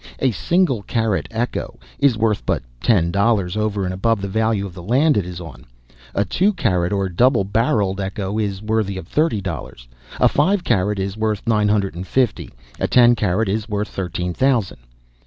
A single carat echo is worth but ten dollars over and above the value of the land it is on; a two carat or double barreled echo is worth thirty dollars; a five carat is worth nine hundred and fifty; a ten carat is worth thirteen thousand.